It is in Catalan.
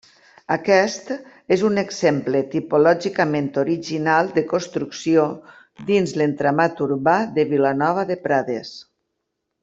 Aquest és un exemple tipològicament original de construcció dins l'entramat urbà de Vilanova de Prades.